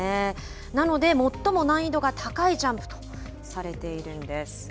なので最も難易度が高いジャンプとされているんです。